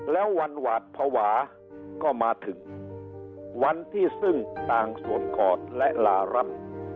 แล้ววันหวาดภาวะก็มาถึงวันที่ซึ่งต่างสวมกอดและลารับ